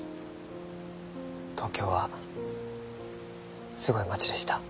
東京はすごい街でした。